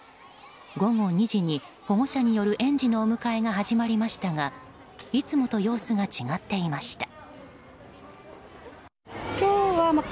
午後２時に保護者による園児のお迎えが始まりましたがいつもと様子が違っていました。